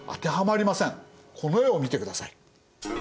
この絵を見てください。